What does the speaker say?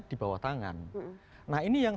di bawah tangan nah ini yang